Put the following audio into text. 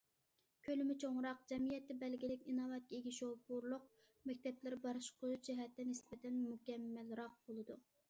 كۆلىمى چوڭراق، جەمئىيەتتە بەلگىلىك ئىناۋەتكە ئىگە شوپۇرلۇق مەكتەپلىرى باشقۇرۇش جەھەتتە نىسبەتەن مۇكەممەلرەك بولىدۇ.